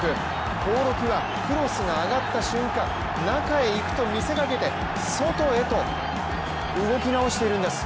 興梠はクロスが上がった瞬間中へ行くと見せかけて外へと動き直しているんです。